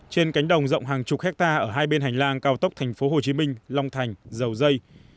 trên cánh đồng rộng hàng chục hectare ở hai bên hành lang cao tốc tp hcm long thành dầu dây